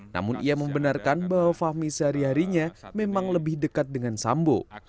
namun ia membenarkan bahwa fahmi sehari harinya memang lebih dekat dengan sambo